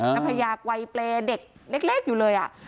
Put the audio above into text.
นักพญาไก่ไตรเด็กเล็กอยู่เลยอ่ะ